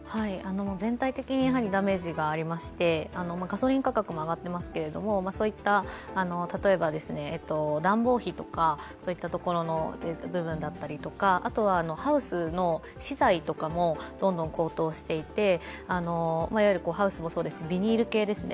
全体的にダメージがありましてガソリン価格も上がっていますけれどもそういった例えば、暖房費とかの部分だったりとか、あとはハウスの資材とかもどんどん高騰していて、いわゆるハウスもそうですしビニール系ですね